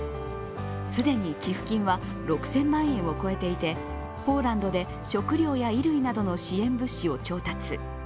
既に寄付金は６０００万円を超えていてポーランドで食料や衣類などの支援物資を調達。